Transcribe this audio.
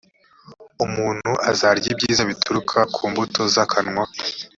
umuntu azarya ibyiza bituruka ku mbuto z akanwa